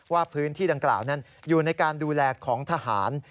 ว่าพื้นที่ดังกล่าวนั้นอยู่ในการดูแลของทหาร